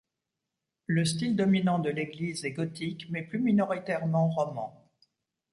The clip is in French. Le style dominant de l’église est Gothique mais plus minoritairement Roman.